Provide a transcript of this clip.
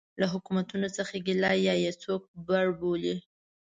له حکومتونو څه ګیله یا یې څوک پړ بولي.